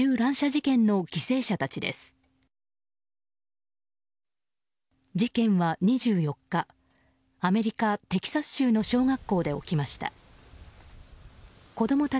事件は２４日アメリカ・テキサス州の小学校で起きました。